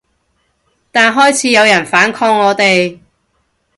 但開始有人反抗我哋